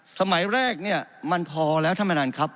สมัยแรกเนี่ยมันพอแล้วท่านประธานครับ